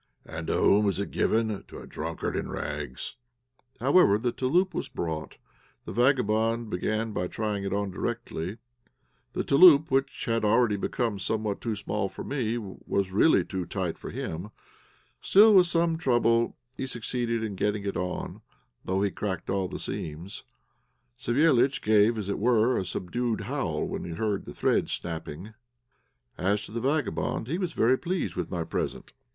And to whom is it given? to a drunkard in rags." However, the touloup was brought. The vagabond began trying it on directly. The touloup, which had already become somewhat too small for me, was really too tight for him. Still, with some trouble, he succeeded in getting it on, though he cracked all the seams. Savéliitch gave, as it were, a subdued howl when he heard the threads snapping. As to the vagabond, he was very pleased with my present.